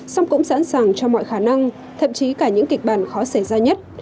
song cũng sẵn sàng cho mọi khả năng thậm chí cả những kịch bản khó xảy ra nhất